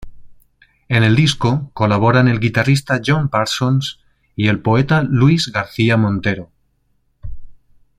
En el disco colaboran el guitarrista John Parsons y el poeta Luis García Montero.